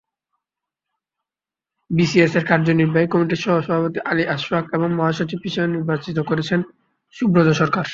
বিসিএসের কার্যনির্বাহী কমিটির সভাপতি আলী আশফাক এবং মহাসচিব হিসেবে নির্বাচিত হয়েছেন সুব্রত সরকার।